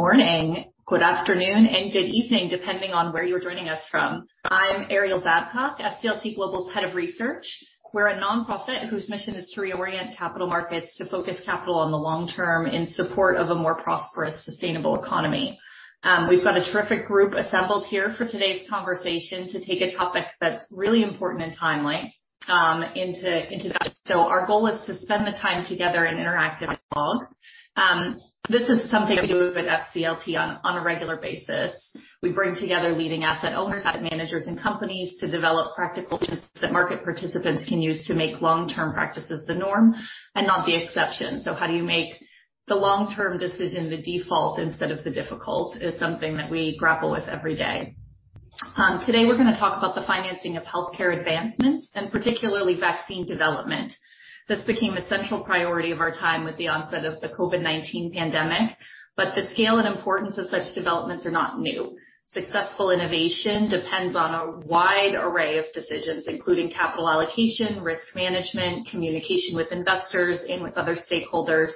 Morning, good afternoon, and good evening, depending on where you're joining us from. I'm Ariel Babcock, FCLTGlobal's head of research. We're a nonprofit whose mission is to reorient capital markets to focus capital on the long-term in support of a more prosperous, sustainable economy. We've got a terrific group assembled here for today's conversation to take a topic that's really important and timely, into that. Our goal is to spend the time together in interactive dialogue. This is something we do with FCLTGlobal on a regular basis. We bring together leading asset owners, asset managers, and companies to develop practical tools that market participants can use to make long-term practices the norm and not the exception. How do you make the long-term decision the default instead of the difficult is something that we grapple with every day. Today we're gonna talk about the financing of healthcare advancements and particularly vaccine development. This became a central priority of our time with the onset of the COVID-19 pandemic, but the scale and importance of such developments are not new. Successful innovation depends on a wide array of decisions, including capital allocation, risk management, communication with investors and with other stakeholders.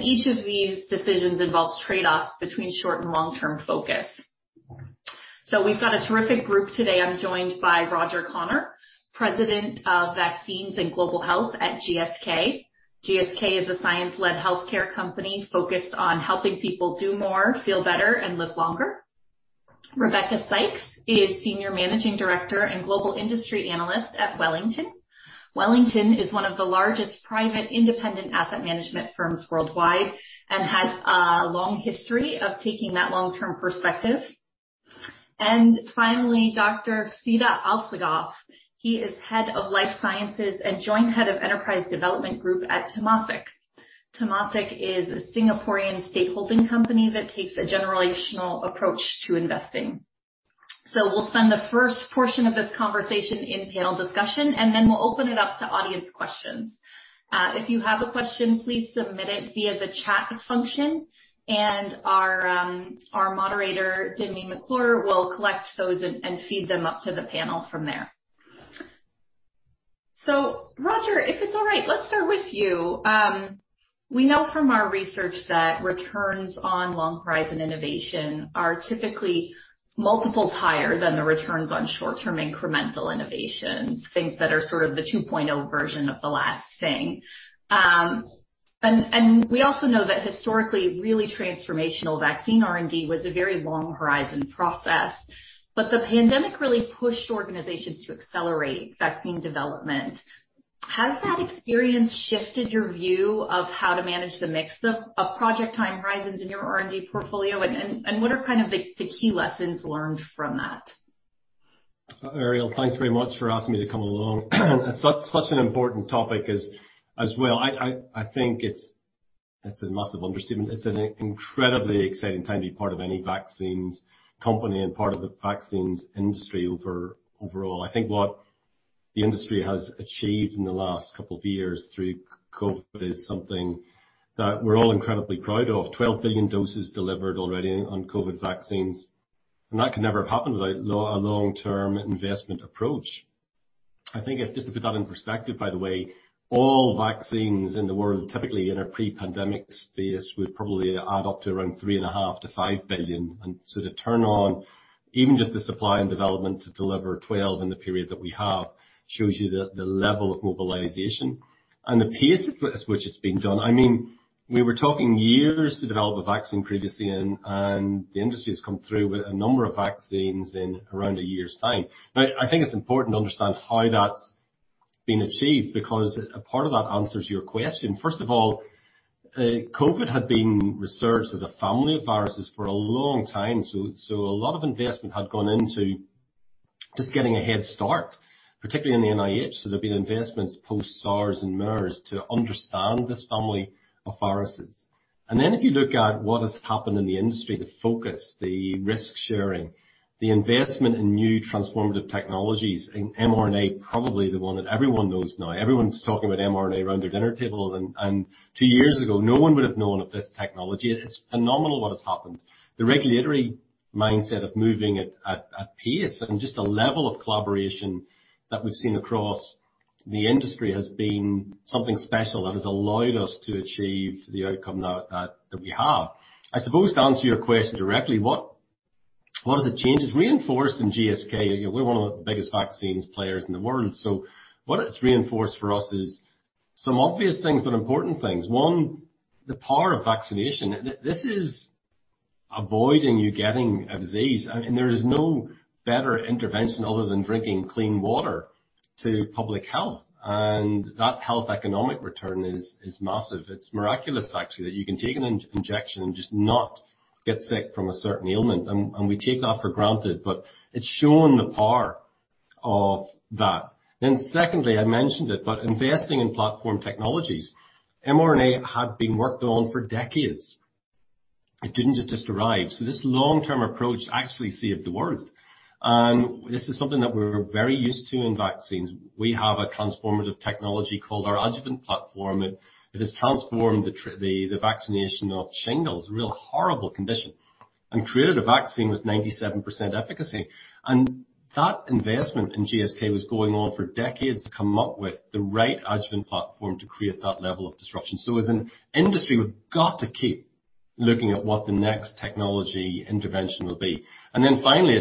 Each of these decisions involves trade-offs between short and long-term focus. We've got a terrific group today. I'm joined by Roger Connor, President of Vaccines and Global Health at GSK. GSK is a science-led healthcare company focused on helping people do more, feel better, and live longer. Rebecca Sykes is Senior Managing Director and Global Industry Analyst at Wellington. Wellington is one of the largest private independent asset management firms worldwide and has a long history of taking that long-term perspective. Finally, Dr. Fidaa Alsagoff. He is Head of Life Sciences and Joint Head of Enterprise Development Group at Temasek. Temasek is a Singaporean state holding company that takes a generational approach to investing. We'll spend the first portion of this conversation in panel discussion, and then we'll open it up to audience questions. If you have a question, please submit it via the chat function and our moderator, Demi McClure, will collect those and feed them up to the panel from there. Roger, if it's all right, let's start with you. We know from our research that returns on long horizon innovation are typically multiples higher than the returns on short-term incremental innovations, things that are sort of the 2.0 version of the last thing. We also know that historically, really transformational vaccine R&D was a very long horizon process, but the pandemic really pushed organizations to accelerate vaccine development. Has that experience shifted your view of how to manage the mix of project time horizons in your R&D portfolio, and what are kind of the key lessons learned from that? Ariel, thanks very much for asking me to come along. Such an important topic as well. I think it's a massive understatement. It's an incredibly exciting time to be part of any vaccines company and part of the vaccines industry overall. I think what the industry has achieved in the last couple of years through COVID is something that we're all incredibly proud of. 12 billion doses delivered already on COVID vaccines, and that could never have happened without a long-term investment approach. Just to put that in perspective, by the way, all vaccines in the world, typically in a pre-pandemic space, would probably add up to around 3.5-5 billion. To turn on even just the supply and development to deliver 12 in the period that we have shows you the level of mobilization and the pace at which it's been done. I mean, we were talking years to develop a vaccine previously, and the industry has come through with a number of vaccines in around a year's time. Now, I think it's important to understand how that's been achieved because a part of that answers your question. First of all, COVID had been researched as a family of viruses for a long time, so a lot of investment had gone into just getting a head start, particularly in the NIH. So there'd been investments post-SARS and MERS to understand this family of viruses. If you look at what has happened in the industry, the focus, the risk-sharing, the investment in new transformative technologies, and mRNA probably the one that everyone knows now. Everyone's talking about mRNA around their dinner tables and two years ago, no one would have known of this technology. It's phenomenal what has happened. The regulatory mindset of moving it at pace and just the level of collaboration that we've seen across the industry has been something special that has allowed us to achieve the outcome now, that we have. I suppose to answer your question directly, what is it changes. Reinforced in GSK, you know, we're one of the biggest vaccines players in the world. So what it's reinforced for us is some obvious things, but important things. One, the power of vaccination. This is avoiding you getting a disease. I mean, there is no better intervention other than drinking clean water to public health, and that health economic return is massive. It's miraculous actually, that you can take an injection and just not get sick from a certain ailment, and we take that for granted, but it's shown the power of that. Secondly, I mentioned it, but investing in platform technologies. MRNA had been worked on for decades. It didn't just arrive. This long-term approach actually saved the world. This is something that we're very used to in vaccines. We have a transformative technology called our adjuvant platform. It has transformed the vaccination of shingles, a real horrible condition, and created a vaccine with 97% efficacy. That investment in GSK was going on for decades to come up with the right adjuvant platform to create that level of disruption. As an industry, we've got to keep looking at what the next technology intervention will be. Finally,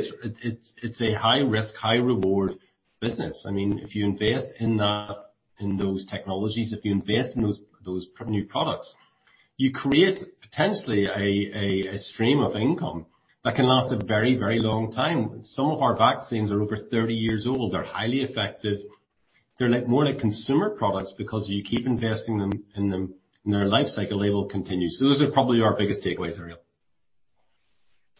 it's a high risk, high reward business. I mean, if you invest in that, in those technologies, if you invest in those new products, you create potentially a stream of income that can last a very, very long time. Some of our vaccines are over 30 years old. They're highly effective. They're like, more like consumer products because you keep investing in them, and their life cycle, they will continue. Those are probably our biggest takeaways, Ariele.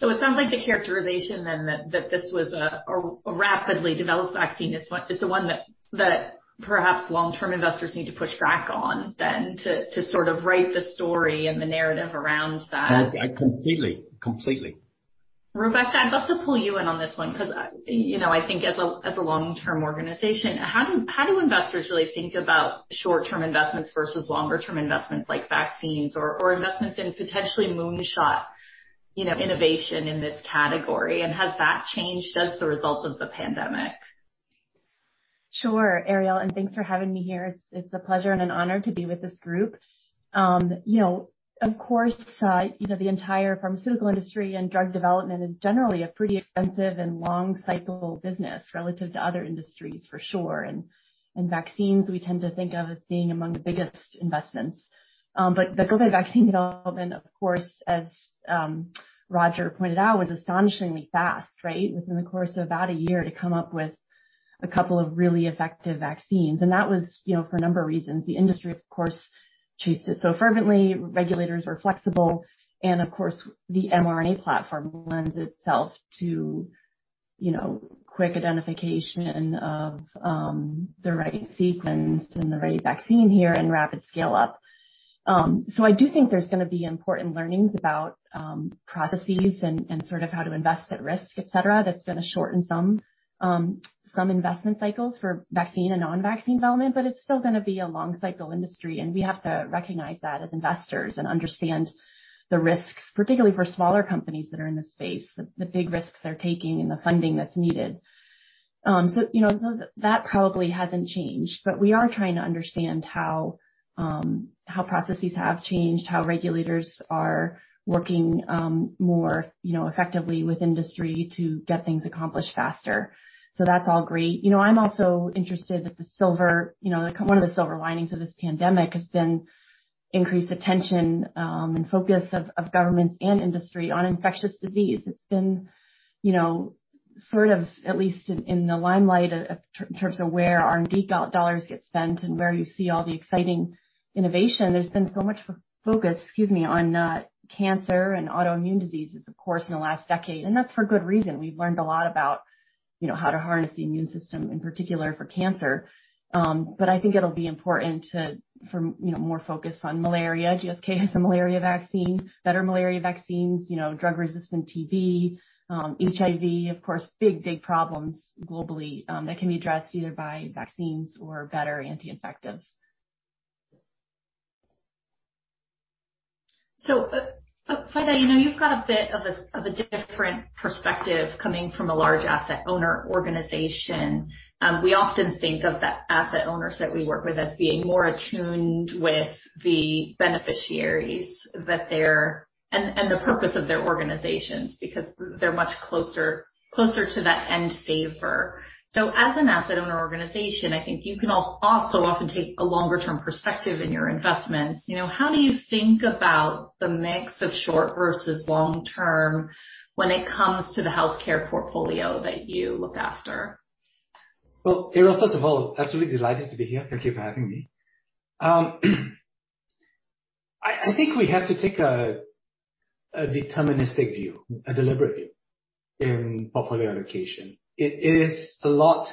It sounds like the characterization then that this was a rapidly developed vaccine is the one that perhaps long-term investors need to push back on then to sort of write the story and the narrative around that. Completely. Rebecca, I'd love to pull you in on this one because, you know, I think as a long-term organization, how do investors really think about short-term investments versus longer term investments like vaccines or investments in potentially moonshot, you know, innovation in this category? Has that changed as the result of the pandemic? Sure, Arielle, and thanks for having me here. It's a pleasure and an honor to be with this group. You know, of course, you know, the entire pharmaceutical industry and drug development is generally a pretty expensive and long cycle business relative to other industries for sure. Vaccines we tend to think of as being among the biggest investments. The COVID vaccine development, of course, as Roger pointed out, was astonishingly fast, right? Within the course of about a year to come up with a couple of really effective vaccines. That was, you know, for a number of reasons. The industry, of course, chased it so fervently. Regulators were flexible, and of course, the mRNA platform lends itself to, you know, quick identification of the right sequence and the right vaccine here and rapid scale up. I do think there's gonna be important learnings about processes and sort of how to invest at risk, et cetera. That's gonna shorten some investment cycles for vaccine and non-vaccine development, but it's still gonna be a long cycle industry, and we have to recognize that as investors and understand the risks, particularly for smaller companies that are in the space, the big risks they're taking and the funding that's needed. You know, that probably hasn't changed. We are trying to understand how processes have changed, how regulators are working more effectively with industry to get things accomplished faster. That's all great. You know, I'm also interested that the silver, you know, one of the silver linings of this pandemic has been increased attention and focus of governments and industry on infectious disease. It's been, you know, sort of at least in the limelight in terms of where R&D dollars get spent and where you see all the exciting innovation. There's been so much focus on cancer and autoimmune diseases, of course, in the last decade, and that's for good reason. We've learned a lot about, you know, how to harness the immune system, in particular for cancer. But I think it'll be important to, for, you know, more focus on malaria. GSK has a malaria vaccine, better malaria vaccines, you know, drug-resistant TB, HIV, of course, big problems globally that can be addressed either by vaccines or better anti-infectives. Fai, you know, you've got a bit of a different perspective coming from a large asset owner organization. We often think of the asset owners that we work with as being more attuned with the beneficiaries that they're and the purpose of their organizations, because they're much closer to that end saver. As an asset owner organization, I think you can also often take a longer term perspective in your investments. You know, how do you think about the mix of short versus long-term when it comes to the healthcare portfolio that you look after? Well, Arielle, first of all, absolutely delighted to be here. Thank you for having me. I think we have to take a deterministic view, a deliberate view in portfolio allocation. It is a lot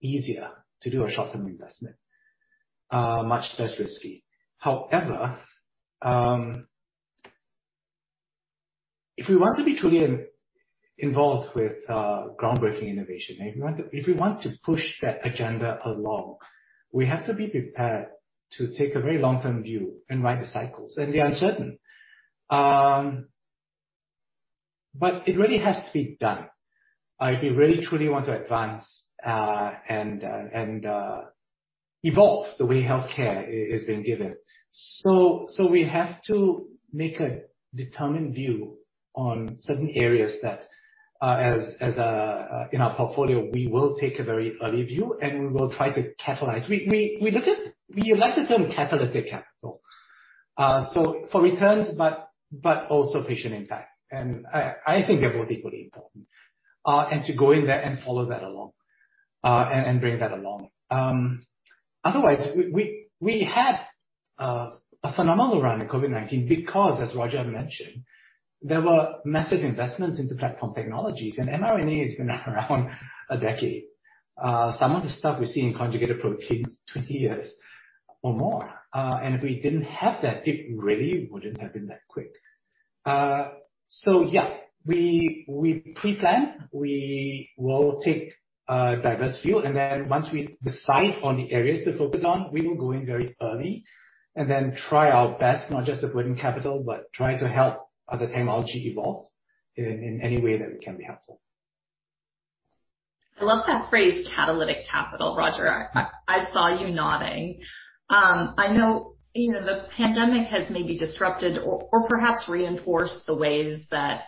easier to do a short-term investment, much less risky. However, if we want to be truly involved with groundbreaking innovation, if we want to push that agenda along, we have to be prepared to take a very long-term view and ride the cycles, and be uncertain. It really has to be done. If you really, truly want to advance and evolve the way healthcare is being given. We have to make a determined view on certain areas that, as in our portfolio, we will take a very early view, and we will try to catalyze. We like the term catalytic capital for returns, but also patient impact. I think they're both equally important. To go in there and follow that along, and bring that along. Otherwise we had a phenomenal run in COVID-19 because, as Roger mentioned, there were massive investments into platform technologies, and mRNA has been around a decade. Some of the stuff we see in conjugated proteins, 20 years or more. If we didn't have that, it really wouldn't have been that quick. We pre-plan. We will take a diverse view, and then once we decide on the areas to focus on, we will go in very early and then try our best, not just to put in capital, but try to help other technology evolve in any way that we can be helpful. I love that phrase catalytic capital, Roger. I saw you nodding. I know, you know, the pandemic has maybe disrupted or perhaps reinforced the ways that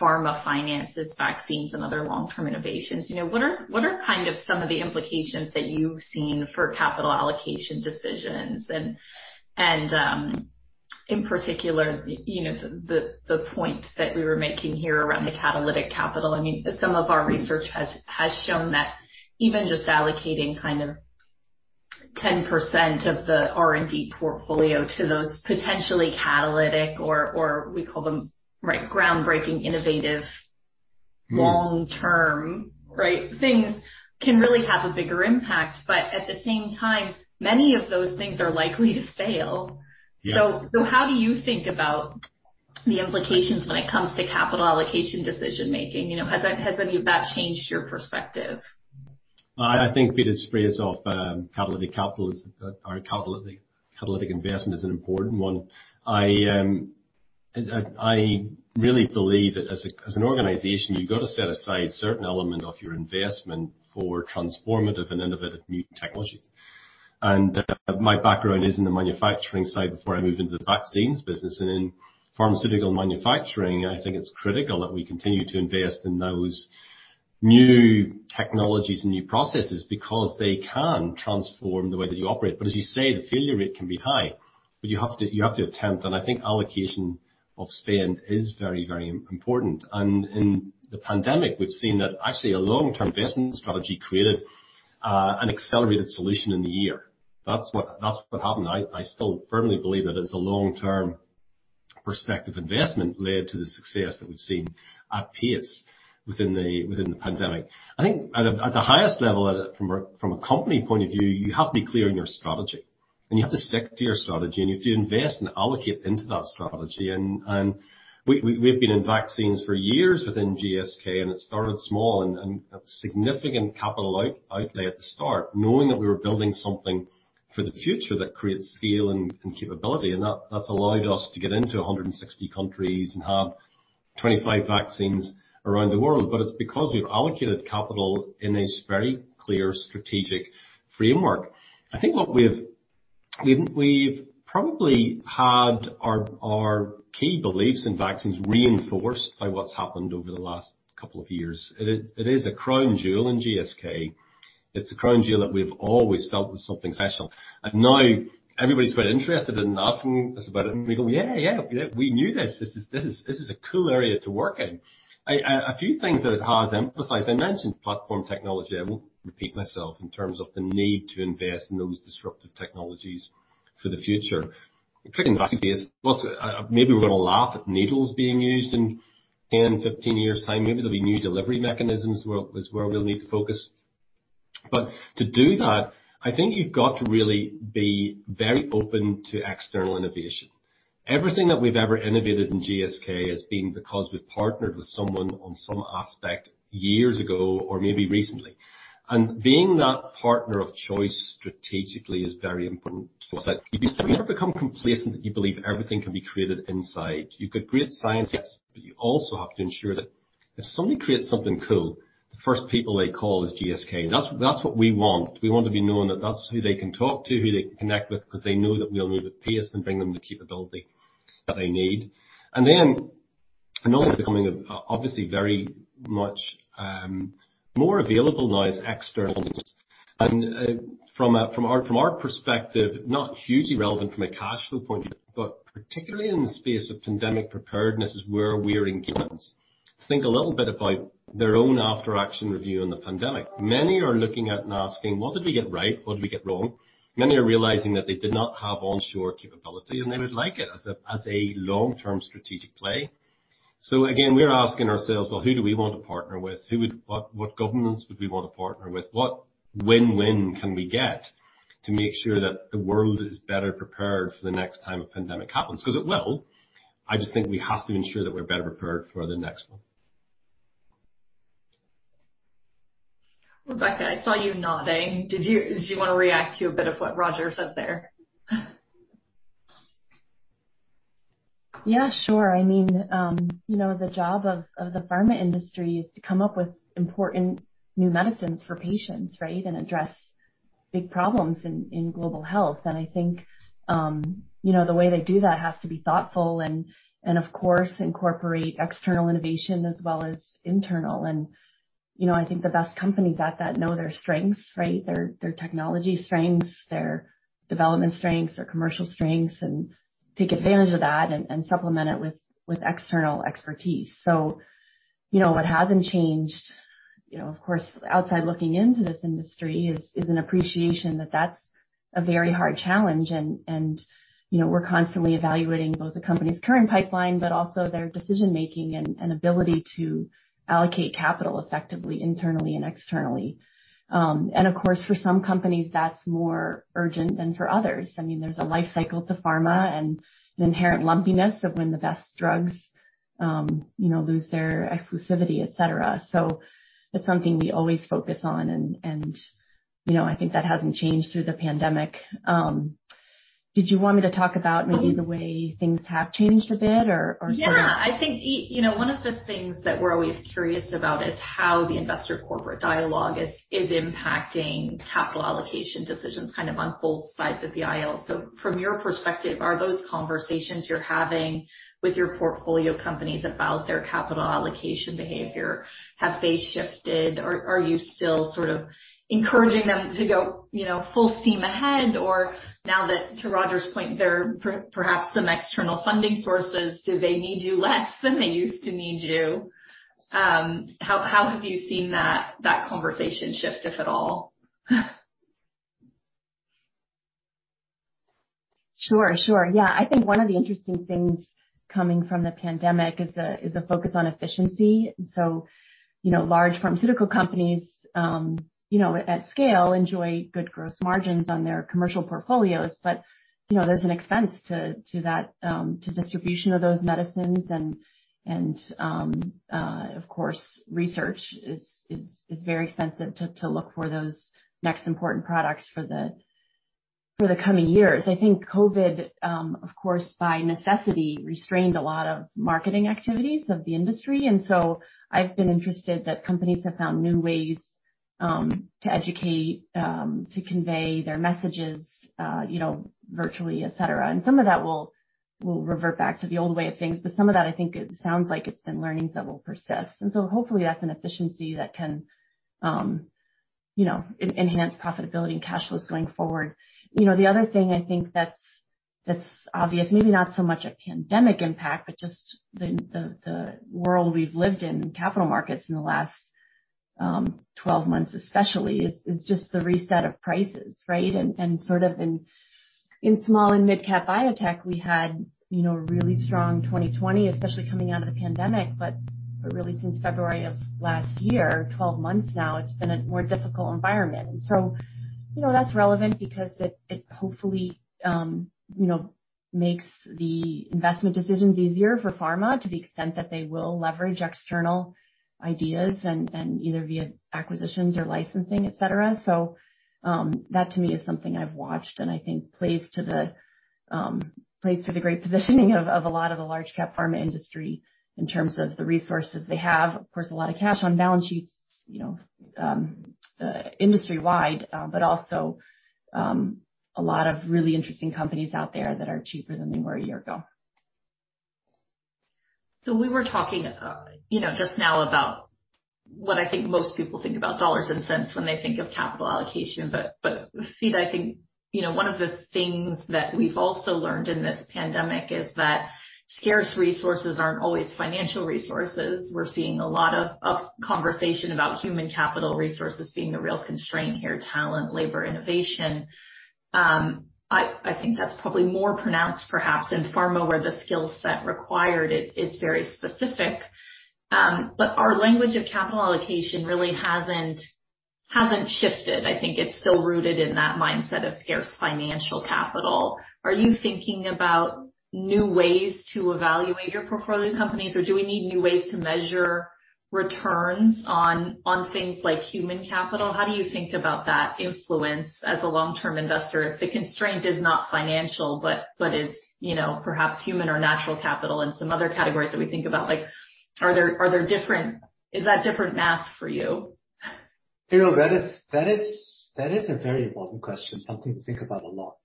pharma finances vaccines and other long-term innovations. You know, what are kind of some of the implications that you've seen for capital allocation decisions and, in particular, you know, the point that we were making here around the catalytic capital. I mean, some of our research has shown that even just allocating kind of 10% of the R&D portfolio to those potentially catalytic or we call them, right, groundbreaking, innovative long-term, right, things can really have a bigger impact. But at the same time, many of those things are likely to fail. Yeah. How do you think about the implications when it comes to capital allocation decision-making? You know, has any of that changed your perspective? I think Fidaa's phrase of catalytic capital or catalytic investment is an important one. I really believe that as an organization, you've got to set aside a certain element of your investment for transformative and innovative new technologies. My background is in the manufacturing side before I moved into the vaccines business. In pharmaceutical manufacturing, I think it's critical that we continue to invest in those new technologies and new processes because they can transform the way that you operate. As you say, the failure rate can be high. You have to attempt, and I think allocation of spend is very, very important. In the pandemic, we've seen that actually a long-term investment strategy created an accelerated solution in the year. That's what happened. I still firmly believe that it's a long-term perspective investment led to the success that we've seen apace within the pandemic. I think at the highest level, from a company point of view, you have to be clear on your strategy, and you have to stick to your strategy, and you have to invest and allocate into that strategy. We've been in vaccines for years within GSK, and it started small and a significant capital outlay at the start, knowing that we were building something for the future that creates scale and capability. That's allowed us to get into 160 countries and have 25 vaccines around the world. It's because we've allocated capital in a very clear strategic framework. I think what we've probably had our key beliefs in vaccines reinforced by what's happened over the last couple of years. It is a crown jewel in GSK. It's a crown jewel that we've always felt was something special. Now everybody's quite interested in asking us about it, and we go, "Yeah, yeah, we knew this. This is a cool area to work in." A few things that it has emphasized. I mentioned platform technology. I won't repeat myself in terms of the need to invest in those disruptive technologies for the future. Including vaccines. Plus, maybe we're gonna laugh at needles being used in 10, 15 years' time. Maybe there'll be new delivery mechanisms where we'll need to focus. To do that, I think you've got to really be very open to external innovation. Everything that we've ever innovated in GSK has been because we've partnered with someone on some aspect years ago or maybe recently. Being that partner of choice strategically is very important. You never become complacent that you believe everything can be created inside. You've got great scientists, but you also have to ensure that if somebody creates something cool, the first people they call is GSK. That's what we want. We want to be known that that's who they can talk to, who they can connect with, 'cause they know that we'll move at pace and bring them the capability that they need. Then I know it's becoming obviously very much more available now is external. From our perspective, not hugely relevant from a cash flow point, but particularly in the space of pandemic preparedness is where we're engaged. Think a little bit about their own after action review on the pandemic. Many are looking at and asking, "What did we get right? What did we get wrong?" Many are realizing that they did not have onshore capability, and they would like it as a long-term strategic play. Again, we're asking ourselves, well, who do we want to partner with? What governments would we want to partner with? What win-win can we get to make sure that the world is better prepared for the next time a pandemic happens? 'Cause it will. I just think we have to ensure that we're better prepared for the next one. Rebecca, I saw you nodding. Did you wanna react to a bit of what Roger said there? Yeah, sure. I mean, you know, the job of the pharma industry is to come up with important new medicines for patients, right? Address big problems in global health. I think, you know, the way they do that has to be thoughtful and, of course, incorporate external innovation as well as internal. You know, I think the best companies at that know their strengths, right? Their technology strengths, their development strengths, their commercial strengths, and take advantage of that and supplement it with external expertise. What hasn't changed, of course, from outside looking into this industry is an appreciation that that's a very hard challenge. You know, we're constantly evaluating both the company's current pipeline, but also their decision-making and ability to allocate capital effectively, internally and externally. Of course, for some companies, that's more urgent than for others. I mean, there's a life cycle to pharma and the inherent lumpiness of when the best drugs, you know, lose their exclusivity, et cetera. That's something we always focus on and, you know, I think that hasn't changed through the pandemic. Did you want me to talk about maybe the way things have changed a bit or sort of? Yeah. I think, you know, one of the things that we're always curious about is how the investor corporate dialogue is impacting capital allocation decisions kind of on both sides of the aisle. So from your perspective, are those conversations you're having with your portfolio companies about their capital allocation behavior, have they shifted? Or are you still sort of encouraging them to go, you know, full steam ahead? Or now that, to Roger's point, there are perhaps some external funding sources, do they need you less than they used to need you? How have you seen that conversation shift, if at all? Sure, sure. Yeah. I think one of the interesting things coming from the pandemic is a focus on efficiency. You know, large pharmaceutical companies at scale enjoy good gross margins on their commercial portfolios. You know, there's an expense to that to distribution of those medicines. Of course, research is very expensive to look for those next important products for the coming years. I think COVID of course, by necessity, restrained a lot of marketing activities of the industry. I've been interested that companies have found new ways to educate to convey their messages you know, virtually, et cetera. Some of that will revert back to the old way of things. Some of that, I think it sounds like it's been learnings that will persist. Hopefully that's an efficiency that can, you know, enhance profitability and cash flows going forward. You know, the other thing I think that's obvious, maybe not so much a pandemic impact, but just the world we've lived in capital markets in the last 12 months especially, is just the reset of prices, right? And sort of in small and midcap biotech, we had, you know, really strong 2020, especially coming out of the pandemic, but really since February of last year, 12 months now, it's been a more difficult environment. You know, that's relevant because it hopefully you know makes the investment decisions easier for pharma to the extent that they will leverage external ideas and either via acquisitions or licensing, et cetera. That to me is something I've watched and I think plays to the great positioning of a lot of the large cap pharma industry in terms of the resources they have. Of course, a lot of cash on balance sheets, you know, industry wide, but also a lot of really interesting companies out there that are cheaper than they were a year ago. We were talking, you know, just now about what I think most people think about dollars and cents when they think of capital allocation. But, Seet, I think, you know, one of the things that we've also learned in this pandemic is that scarce resources aren't always financial resources. We're seeing a lot of conversation about human capital resources being the real constraint here, talent, labor, innovation. I think that's probably more pronounced perhaps in pharma, where the skill set required is very specific. But our language of capital allocation really hasn't shifted. I think it's still rooted in that mindset of scarce financial capital. Are you thinking about new ways to evaluate your portfolio companies, or do we need new ways to measure returns on things like human capital? How do you think about that influence as a long-term investor if the constraint is not financial, but is, you know, perhaps human or natural capital and some other categories that we think about? Like, is that different math for you? You know, that is a very important question, something to think about a lot.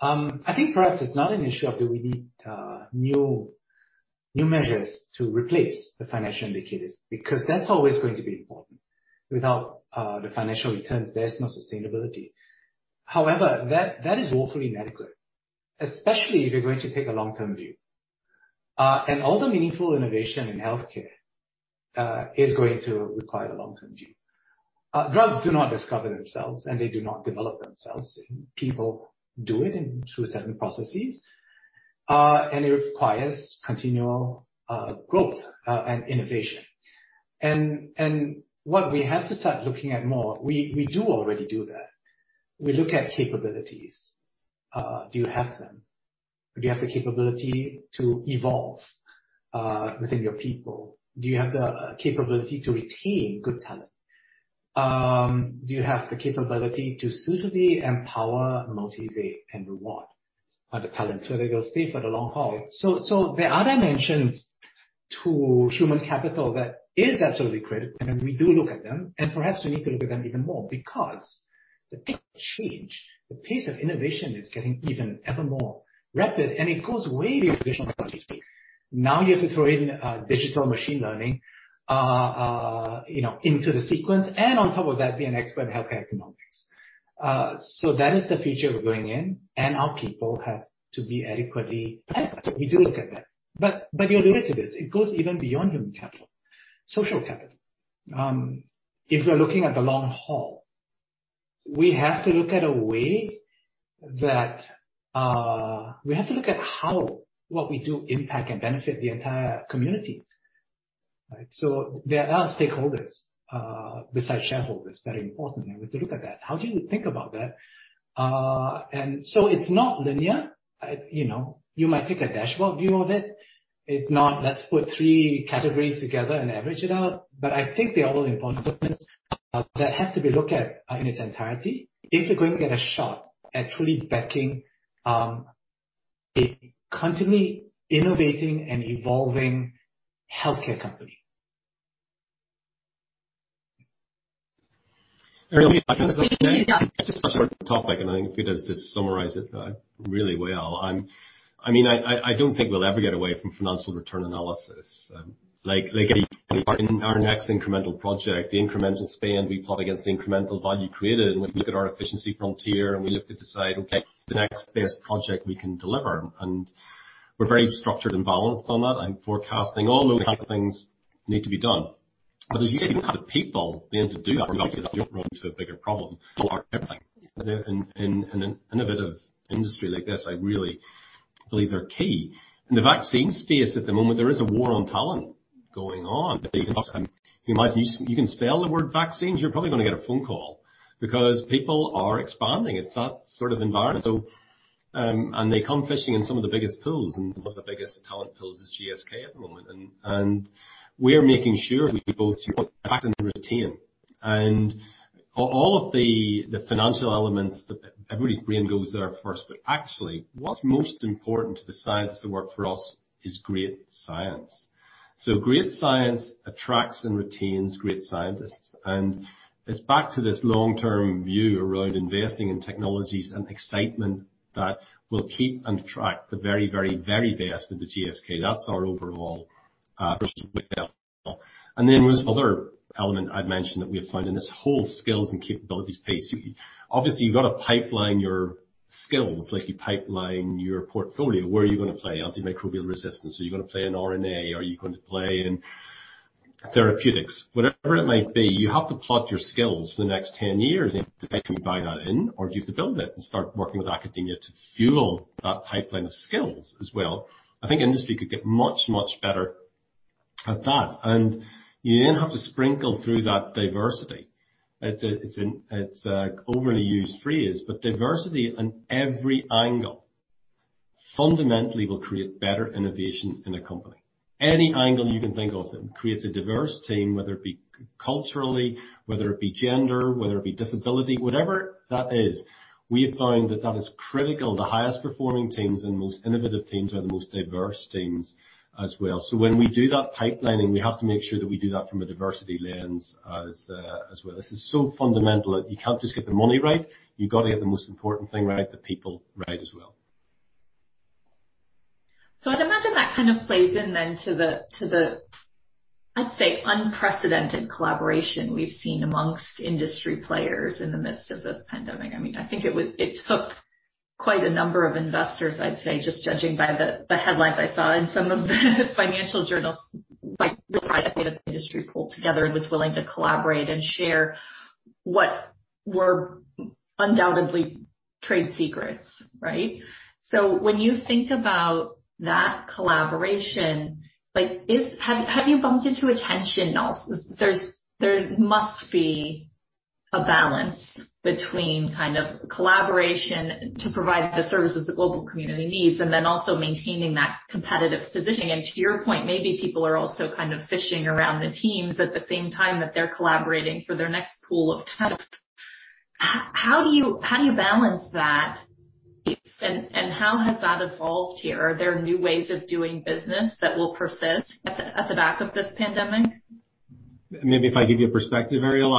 I think perhaps it's not an issue of do we need new measures to replace the financial indicators, because that's always going to be important. Without the financial returns, there's no sustainability. However, that is woefully inadequate, especially if you're going to take a long-term view. All the meaningful innovation in healthcare is going to require a long-term view. Drugs do not discover themselves, and they do not develop themselves. People do it in through certain processes, and it requires continual growth and innovation. What we have to start looking at more, we do already do that. We look at capabilities. Do you have them? Do you have the capability to evolve within your people? Do you have the capability to retain good talent? Do you have the capability to suitably empower, motivate, and reward the talent so they will stay for the long haul? There are dimensions to human capital that is absolutely critical, and we do look at them, and perhaps we need to look at them even more because the pace of change, the pace of innovation is getting even ever more rapid, and it goes way beyond traditional technologies. Now you have to throw in digital machine learning, you know, into the sequence, and on top of that, be an expert in healthcare economics. That is the future we're going in, and our people have to be adequately equipped. We do look at that. Related to this, it goes even beyond human capital. Social capital. If we're looking at the long haul, we have to look at how what we do impact and benefit the entire communities, right? There are stakeholders besides shareholders that are important, and we have to look at that. How do you think about that? It's not linear. You know, you might take a dashboard view of it. It's not let's put three categories together and average it out. I think they're all important components that have to be looked at in its entirety if you're going to get a shot at truly backing A continually innovating and evolving healthcare company. I think because this summarizes it really well. I mean, I don't think we'll ever get away from financial return analysis. Like any part in our next incremental project, the incremental spend we plot against the incremental value created. When we look at our efficiency frontier and we look to decide, okay, the next best project we can deliver, and we're very structured and balanced on that and forecasting all those type of things need to be done. But you need people being to do that, or you run into a bigger problem in an innovative industry like this, I really believe they're key. In the vaccine space at the moment, there is a war on talent going on. You can spell the word vaccines, you're probably gonna get a phone call because people are expanding. It's that sort of environment. They come fishing in some of the biggest pools, and one of the biggest talent pools is GSK at the moment. We are making sure we both attract and retain. All of the financial elements that everybody's brain goes there first. Actually, what's most important to the scientists that work for us is great science. Great science attracts and retains great scientists. It's back to this long-term view around investing in technologies and excitement that will keep and attract the very best of the GSK. That's our overall. Then there's other element I've mentioned that we have found in this whole skills and capabilities space. Obviously, you've got to pipeline your skills like you pipeline your portfolio. Where are you gonna play? Antimicrobial resistance. Are you gonna play in RNA? Are you gonna play in therapeutics? Whatever it might be, you have to plot your skills for the next 10 years to buy that in, or do you have to build it and start working with academia to fuel that pipeline of skills as well? I think industry could get much, much better at that. You then have to sprinkle through that diversity. It's an overly used phrase, but diversity on every angle fundamentally will create better innovation in a company. Any angle you can think of that creates a diverse team, whether it be culturally, whether it be gender, whether it be disability, whatever that is, we have found that that is critical. The highest performing teams and most innovative teams are the most diverse teams as well. When we do that pipelining, we have to make sure that we do that from a diversity lens as well. This is so fundamental that you can't just get the money right. You got to get the most important thing right, the people right as well. I'd imagine that kind of plays in then to the, I'd say, unprecedented collaboration we've seen among industry players in the midst of this pandemic. I mean, I think it took quite a number of investors, I'd say, just judging by the headlines I saw in some of the financial journals, by the industry pulled together and was willing to collaborate and share what were undoubtedly trade secrets, right? When you think about that collaboration, like, have you bumped into a tension also? There must be a balance between kind of collaboration to provide the services the global community needs and then also maintaining that competitive positioning. To your point, maybe people are also kind of fishing around the teams at the same time that they're collaborating for their next pool of talent. How do you balance that, and how has that evolved here? Are there new ways of doing business that will persist at the back of this pandemic? Maybe if I give you a perspective, Ariel.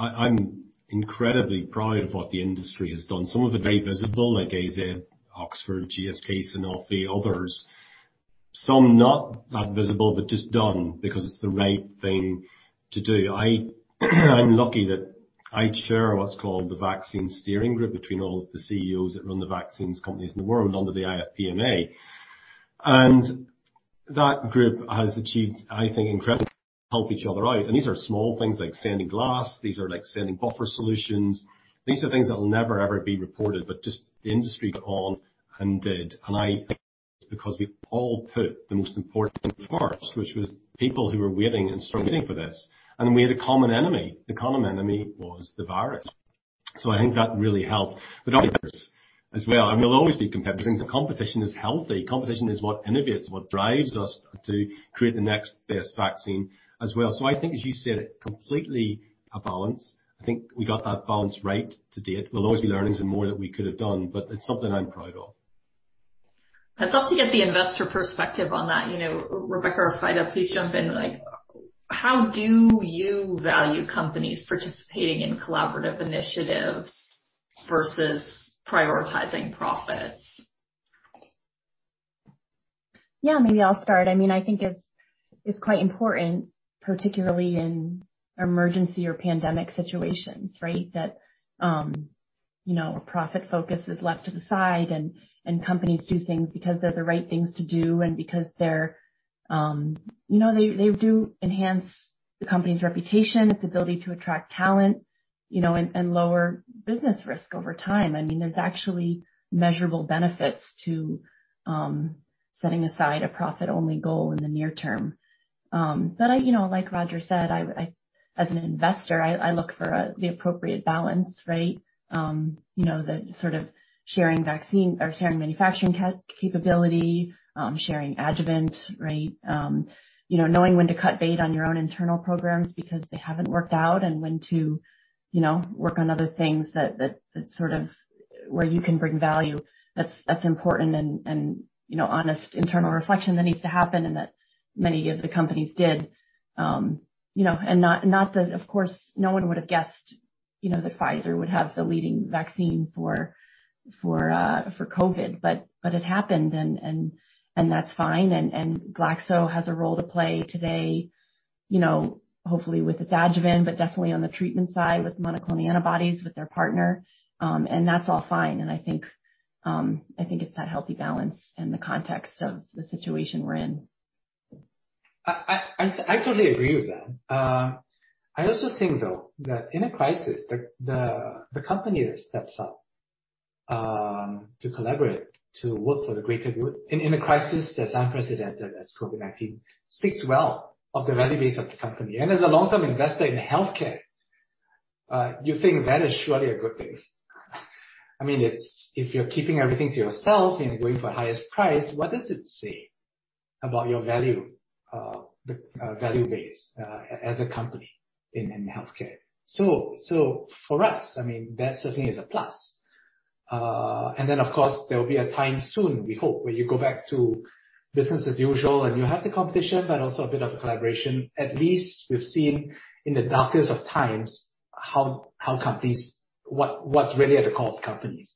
I'm incredibly proud of what the industry has done. Some of it very visible, like AZ, Oxford, GSK, Sanofi, others. Some not that visible, but just done because it's the right thing to do. I'm lucky that I chair what's called the Vaccine Steering Group between all of the CEOs that run the vaccines companies in the world under the IFPMA. That group has achieved, I think, incredible help each other out. These are small things like sending glass. These are like sending buffer solutions. These are things that will never, ever be reported, but just the industry got on and did. I think because we all put the most important parts, which was people who were waiting and struggling for this, and we had a common enemy. The common enemy was the virus. I think that really helped. As well, and we'll always be competitive. Competition is healthy. Competition is what innovates, what drives us to create the next best vaccine as well. I think as you said it, completely a balance. I think we got that balance right to date. We'll always be learning some more that we could have done, but it's something I'm proud of. I'd love to get the investor perspective on that. You know, Rebecca or Fidah, please jump in. Like, how do you value companies participating in collaborative initiatives versus prioritizing profits? Yeah, maybe I'll start. I mean, I think it's quite important, particularly in emergency or pandemic situations, right? That you know, a profit focus is left to the side and companies do things because they're the right things to do and because they're you know, they do enhance the company's reputation, its ability to attract talent, you know, and lower business risk over time. I mean, there's actually measurable benefits to setting aside a profit-only goal in the near term. You know, like Roger said, I as an investor, I look for the appropriate balance, right? You know, the sort of sharing vaccine or sharing manufacturing capability, sharing adjuvant, right? You know, knowing when to cut bait on your own internal programs because they haven't worked out and when to, you know, work on other things that sort of where you can bring value. That's important and, you know, honest internal reflection that needs to happen and that many of the companies did. You know, not that, of course, no one would have guessed, you know, that Pfizer would have the leading vaccine for COVID, but it happened and that's fine. Glaxo has a role to play today, you know, hopefully with its adjuvant, but definitely on the treatment side with monoclonal antibodies with their partner. That's all fine. I think it's that healthy balance in the context of the situation we're in. I totally agree with that. I also think, though, that in a crisis, the company that steps up to collaborate, to work for the greater good in a crisis as unprecedented as COVID-19 speaks well of the value base of the company. As a long-term investor in healthcare, you think that is surely a good thing. I mean, if you're keeping everything to yourself and going for highest price, what does it say about your value, the value base as a company in healthcare? For us, I mean, that certainly is a plus. Then of course, there will be a time soon, we hope, where you go back to business as usual, and you have the competition, but also a bit of collaboration. At least we've seen in the darkest of times, how companies what's really at the core of companies.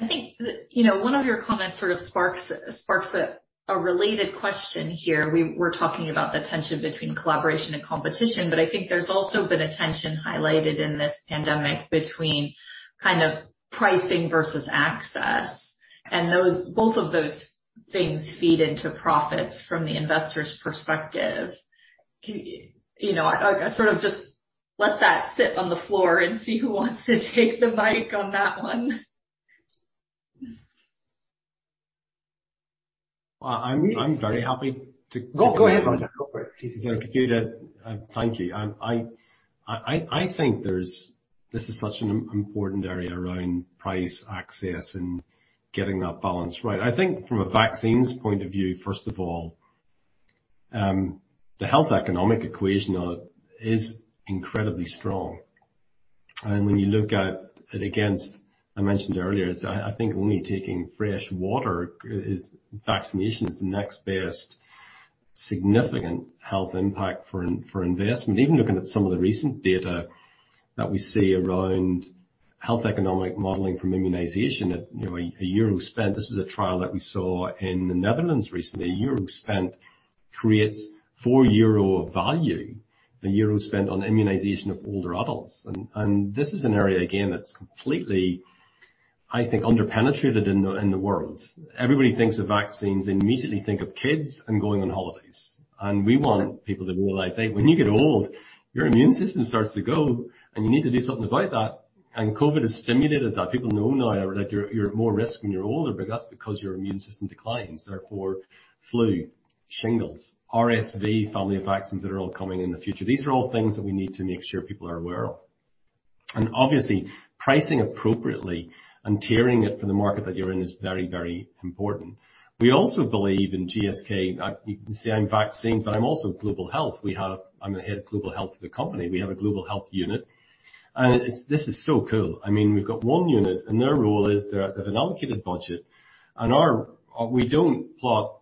I think, you know, one of your comments sort of sparks a related question here. We were talking about the tension between collaboration and competition, but I think there's also been a tension highlighted in this pandemic between kind of pricing versus access. Those both of those things feed into profits from the investor's perspective. You know, I sort of just let that sit on the floor and see who wants to take the mic on that one. Well, I'm very happy to No, go ahead, Roger. Go for it. Thank you. I think this is such an important area around price access and getting that balance right. I think from a vaccines point of view, first of all, the health economic equation of it is incredibly strong. When you look at it against, I mentioned earlier, it's, I think, only second to clean water; vaccination is the next best significant health impact for investment. Even looking at some of the recent data that we see around health economic modeling from immunization at EUR 1 spent. This was a trial that we saw in the Netherlands recently. EUR 1 spent creates 4 euro of value. EUR 1 spent on immunization of older adults. This is an area, again, that's completely, I think, under-penetrated in the world. Everybody thinks of vaccines, they immediately think of kids and going on holidays. We want people to realize, hey, when you get old, your immune system starts to go, and you need to do something about that. COVID has stimulated that. People know now that you're at more risk when you're older, but that's because your immune system declines. Therefore, flu, shingles, RSV, family of vaccines that are all coming in the future. These are all things that we need to make sure people are aware of. Obviously, pricing appropriately and tiering it for the market that you're in is very, very important. We also believe in GSK. You can say I'm vaccines, but I'm also global health. We have. I'm the head of global health of the company. We have a global health unit. This is so cool. I mean, we've got one unit, and their role is they have an allocated budget. We don't plot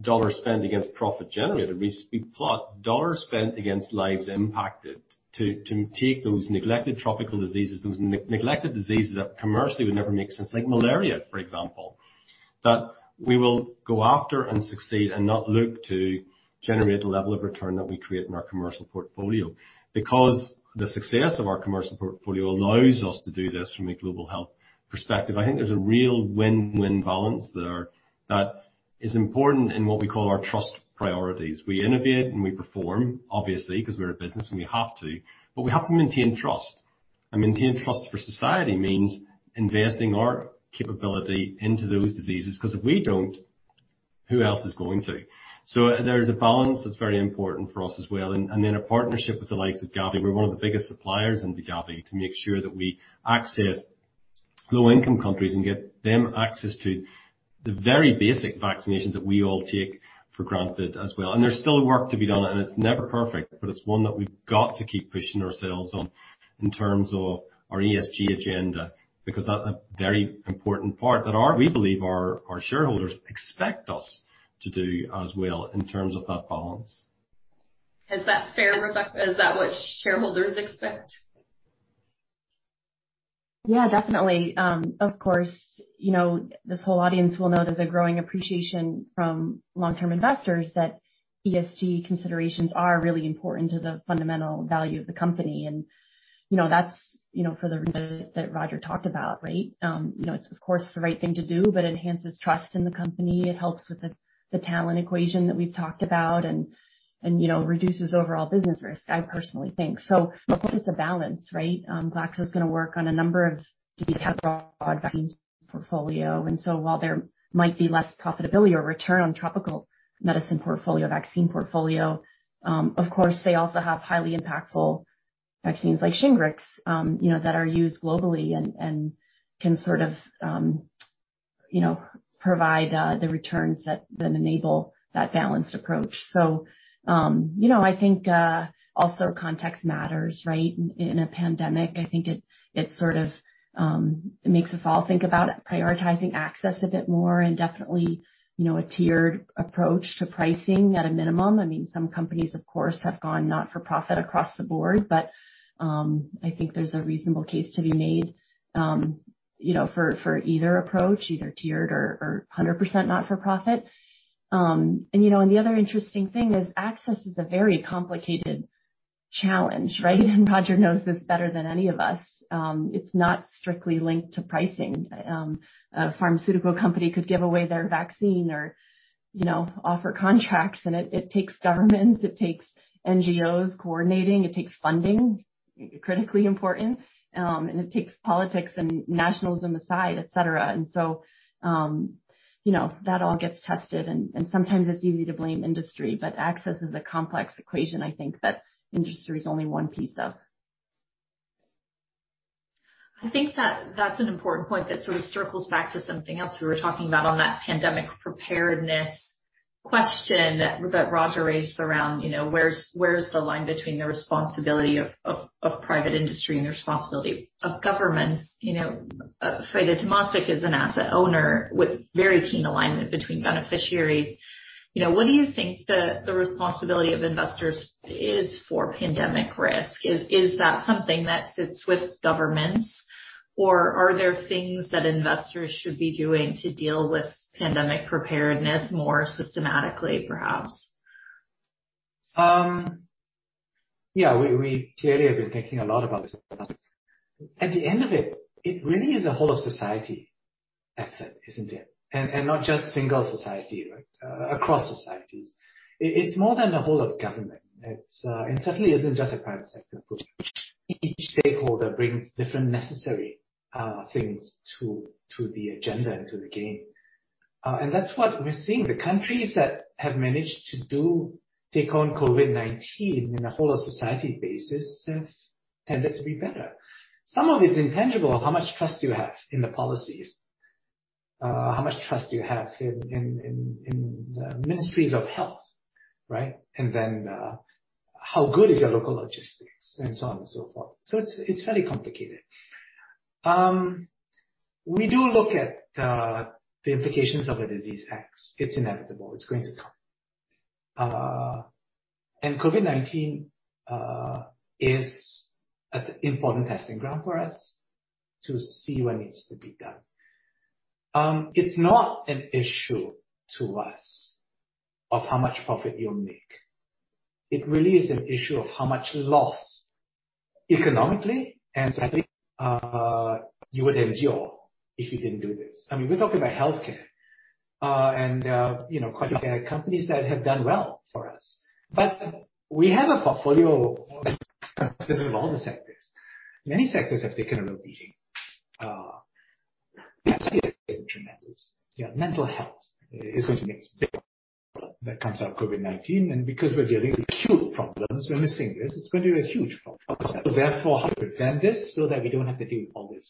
dollar spend against profit generated. We plot dollar spend against lives impacted to take those neglected tropical diseases, those neglected diseases that commercially would never make sense, like malaria, for example, that we will go after and succeed and not look to generate the level of return that we create in our commercial portfolio. Because the success of our commercial portfolio allows us to do this from a global health perspective. I think there's a real win-win balance there that is important in what we call our trust priorities. We innovate and we perform, obviously, because we're a business and we have to, but we have to maintain trust. Maintain trust for society means investing our capability into those diseases, because if we don't, who else is going to? There's a balance that's very important for us as well, then a partnership with the likes of Gavi. We're one of the biggest suppliers into Gavi to make sure that we access low-income countries and get them access to the very basic vaccinations that we all take for granted as well. There's still work to be done, and it's never perfect, but it's one that we've got to keep pushing ourselves on in terms of our ESG agenda, because that's a very important part that we believe our shareholders expect us to do as well in terms of that balance. Is that what shareholders expect? Yeah, definitely. Of course, you know, this whole audience will know there's a growing appreciation from long-term investors that ESG considerations are really important to the fundamental value of the company. You know, that's, you know, for the reason that Roger talked about, right? You know, it's of course the right thing to do, but enhances trust in the company. It helps with the talent equation that we've talked about and you know reduces overall business risk, I personally think. Of course it's a balance, right? I totally agree with that. I also think, though, that in a crisis the company that steps up to collaborate to work for the greater good in a crisis as unprecedented as COVID-19 speaks well of the value base of the company. In a pandemic, I think it sort of makes us all think about prioritizing access a bit more and definitely, you know, a tiered approach to pricing at a minimum. I mean, some companies, of course, have gone not-for-profit across the board, but I think there's a reasonable case to be made, you know, for either approach, either tiered or 100% not for profit. You know, the other interesting thing is access is a very complicated challenge, right? Roger knows this better than any of us. It's not strictly linked to pricing. A pharmaceutical company could give away their vaccine or, you know, offer contracts. It takes governments, it takes NGOs coordinating, it takes funding, critically important, and it takes politics and nationalism aside, et cetera. You know, that all gets tested and sometimes it's easy to blame industry, but access is a complex equation, I think, that industry is only one piece of. I think that that's an important point that sort of circles back to something else we were talking about on that pandemic preparedness question that Roger raised around, you know, where's the line between the responsibility of private industry and the responsibility of governments. You know, Freya Temasek is an asset owner with very keen alignment between beneficiaries. You know, what do you think the responsibility of investors is for pandemic risk? Is that something that sits with governments or are there things that investors should be doing to deal with pandemic preparedness more systematically, perhaps? We clearly have been thinking a lot about this. At the end of it really is a whole of society effort, isn't it? Not just single society, right? Across societies. It's more than a whole of government. It's certainly isn't just a private sector approach. Each stakeholder brings different necessary things to the agenda and to the game. That's what we're seeing. The countries that have managed to take on COVID-19 in a whole of society basis have tended to be better. Some of it's intangible. How much trust do you have in the policies? How much trust do you have in the ministries of health, right? How good is your local logistics and so on and so forth. It's fairly complicated. We do look at the implications of a Disease X. It's inevitable. It's going to come. COVID-19 is an important testing ground for us to see what needs to be done. It's not an issue to us of how much profit you'll make. It really is an issue of how much loss economically, and I think you would endure if you didn't do this. I mean, we're talking about healthcare, and you know, quite a few companies that have done well for us. We have a portfolio of all the sectors. Many sectors have taken a real beating. Mental health is going to be big that comes out of COVID-19. Because we're dealing with acute problems, we're missing this. It's going to be a huge problem. Therefore, how do we prevent this so that we don't have to deal with all these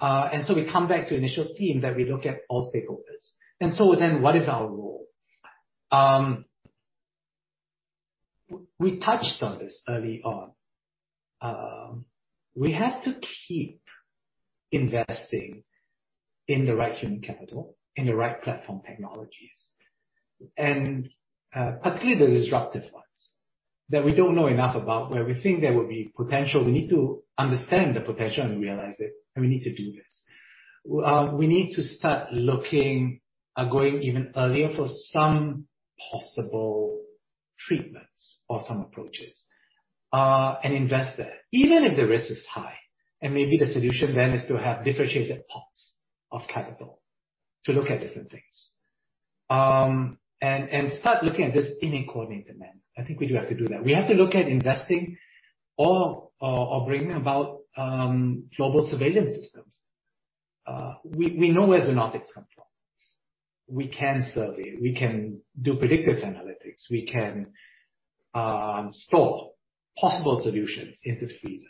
costs? We come back to initial theme that we look at all stakeholders. What is our role? We touched on this early on. We have to keep investing in the right human capital, in the right platform technologies, and particularly the disruptive ones that we don't know enough about, where we think there will be potential. We need to understand the potential and realize it, and we need to do this. We need to start looking, going even earlier for some possible treatments or some approaches, and invest there, even if the risk is high. Maybe the solution then is to have differentiated pots of capital to look at different things. Start looking at this in a coordinated manner. I think we do have to do that. We have to look at investing or bringing about global surveillance systems. We know where the nonprofits come from. We can survey, we can do predictive analytics, we can store possible solutions into the freezer